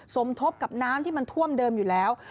สมทบกับน้ำที่มันท่วมเดิมอยู่แล้ว